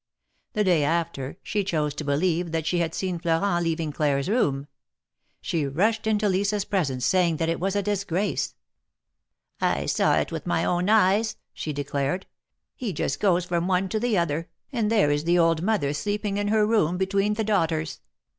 The day after, she chose to believe that she had seen Florent leave Claire's room. She rushed into Lisa's presence, saying that it was a disgrace. saw it with my own eyes," she declared. "He just goes from one to the other, and there is the old mother sleeping in her room between the daughters.